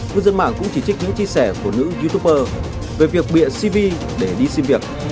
cư dân mạng cũng chỉ trích những chia sẻ của nữ youtuber về việc bịa cv để đi xin việc